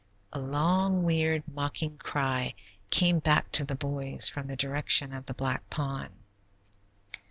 A long, weird, mocking cry came back to the boys from the direction of the black pond.